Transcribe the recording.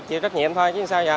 chịu trách nhiệm thôi